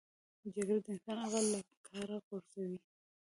جګړه د انسان عقل له کاره غورځوي